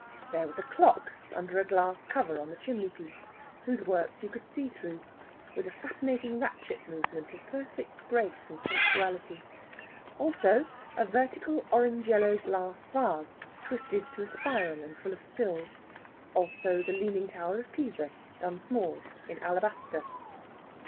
There was a clock under a glass cover on the chimney piece whose works you could see through, with a fascinating ratchet movement of perfect grace and punctuality. Also a vertical orange yellow glass vase, twisted to a spiral, and full of spills. Also the leaning tower of Pisa, done small in alabaster.